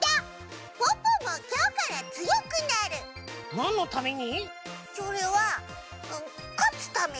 なんのために？